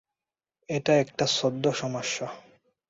এটা একটা ছদ্ম-সমস্যা।